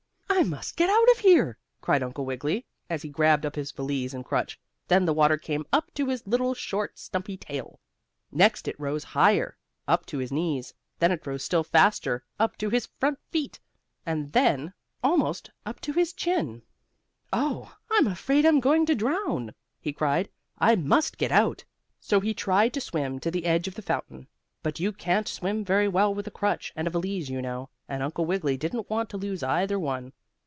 "I must get out of here!" cried Uncle Wiggily, as he grabbed up his valise and crutch. Then the water came up to his little short, stumpy tail. Next it rose higher, up to his knees. Then it rose still faster up to his front feet and then almost up to his chin. "Oh, I'm afraid I'm going to drown!" he cried. "I must get out!" So he tried to swim to the edge of the fountain, but you can't swim very well with a crutch and a valise, you know, and Uncle Wiggily didn't want to lose either one.